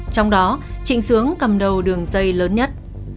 trong đó trịnh sướng cầm đầu đường dây lớn nhất